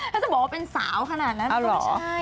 ก็จะบอกว่าเป็นสาวขนาดนั้นมันก็ไม่ใช่